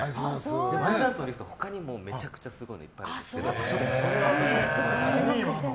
アイスダンスのリフト他にもめちゃくちゃすごいのいっぱいあるんですけど。